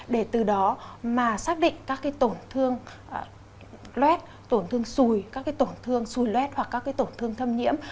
để từ đó mà xác định các tổn thương loét tổn thương xùi các tổn thương xùi loét hoặc các tổn thương thâm nhiễm